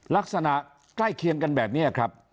ลักษณะใกล้เคียงกันแบบนี้ครับ